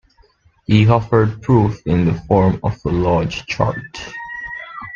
He offered proof in the form of a large chart.